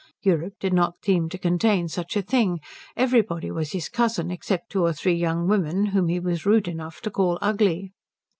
Europe did not seem to contain such a thing. Everybody was his cousin, except two or three young women whom he was rude enough to call ugly.